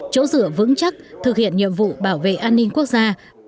chỗ dựa vững chắc thực hiện nhiệm vụ bảo vệ an ninh quốc gia